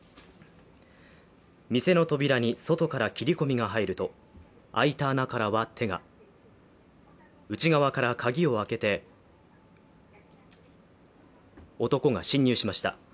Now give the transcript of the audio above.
店の扉に外から切り込みが入ると開いた穴からは手が内側から鍵を開けて、男が侵入しました。